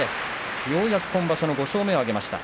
ようやく今場所の５勝目を挙げました。